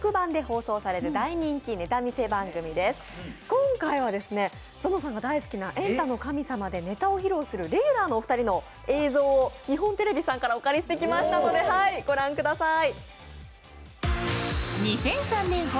今回はぞのさんが大好きな「エンタの神様」でネタを披露するレギュラーのお二人の映像を日本テレビさんからお借りしてきたのでご覧ください。